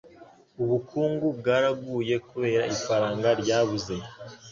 Ubukungu bwaraguye kubera ifaranga ryabuze